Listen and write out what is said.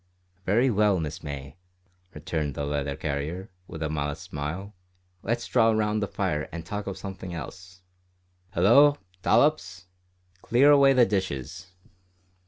"Very well, Miss May," returned the letter carrier, with a modest smile, "let's draw round the fire and talk of something else. Hallo, Dollops! clear away the dishes."